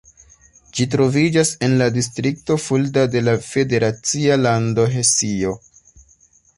Ĝi troviĝas en la distrikto Fulda de la federacia lando Hesio.